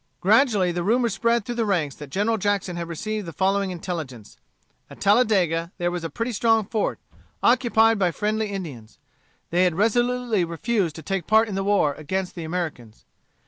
Gradually the rumor spread through the ranks that General Jackson had received the following intelligence: At Talladega there was a pretty strong fort, occupied by friendly Indians. They had resolutely refused to take part in the war against the Americans.